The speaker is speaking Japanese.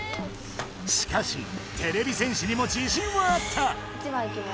しかしてれび戦士にも自信はあった！